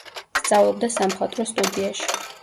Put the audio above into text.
სწავლობდა სამხატვრო სტუდიაში.